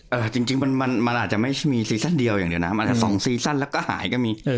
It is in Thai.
เออจริงมันอาจจะไม่มีซีซั่นเดียวอย่างเดียวนะมันแต่๒ซีซั่นแล้วก็หายก็มี